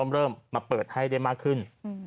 เริ่มมาเปิดให้ได้มากขึ้น